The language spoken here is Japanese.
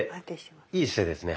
いい姿勢ですね。